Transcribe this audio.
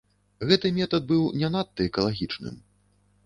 Гэты метад быў не надта экалагічным.